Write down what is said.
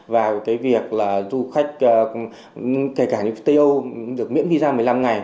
và cái việc là du khách kể cả như tây âu được miễn visa một mươi năm ngày